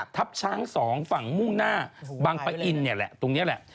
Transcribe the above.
ทัพช้าง๒ฝั่งมุ่งหน้าบังปะอินเนี่ยแหละตรงนี้แหละ